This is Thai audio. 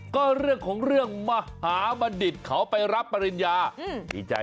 ก็เรื่องของเรื่องมหามาดิตขาวไปรับปริญญา